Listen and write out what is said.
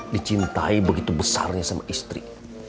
dicintai begitu besarnya sama istri